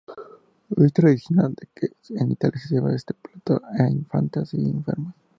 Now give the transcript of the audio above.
Es tradicional que en Italia se sirva este plato a infantes y enfermos.